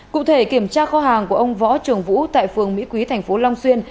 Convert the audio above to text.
cụ thể kiểm tra kho hàng của ông võ trường vũ tại phường mỹ quý tp long xuyên